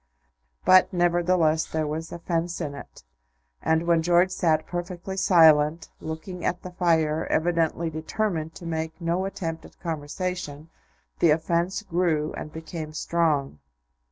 But, nevertheless, there was offence in it; and when George sat perfectly silent, looking at the fire, evidently determined to make no attempt at conversation, the offence grew, and became strong.